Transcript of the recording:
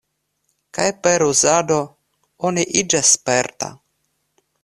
Kaj per uzado, oni iĝas sperta.